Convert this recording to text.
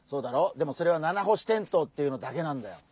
でもそれはナナホシテントウっていうのだけなんだよ。